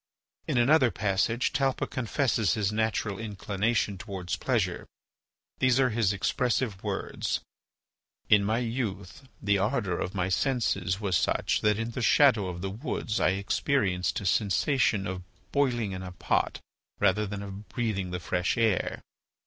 In another passage Talpa confesses his natural inclination towards pleasure. These are his expressive words: "In my youth the ardour of my senses was such that in the shadow of the woods I experienced a sensation of boiling in a pot rather than of breathing the fresh air.